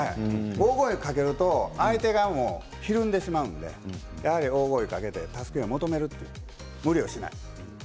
大声をかけると相手がひるんでしまうので大声を出して助けを求める無理をしない。